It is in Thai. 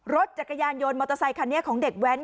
รถจักรยานยนต์มอเตอร์ไซคันนี้ของเด็กแว้น